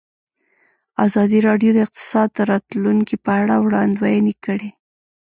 ازادي راډیو د اقتصاد د راتلونکې په اړه وړاندوینې کړې.